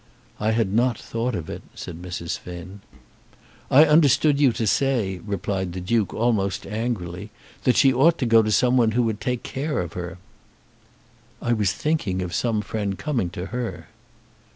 "I had not thought of it," said Mrs. Finn. "I understood you to say," replied the Duke, almost angrily, "that she ought to go to someone who would take care of her." "I was thinking of some friend coming to her."